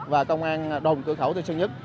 và công an đồn cửa khẩu tân sơn nhất